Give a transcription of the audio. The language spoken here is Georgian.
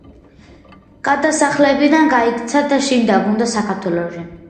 გადასახლებიდან გაიქცა და დაბრუნდა საქართველოში.